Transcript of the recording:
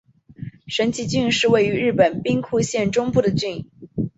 神崎郡是位于日本兵库县中部的郡。